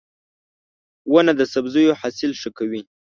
• ونه د سبزیو حاصل ښه کوي.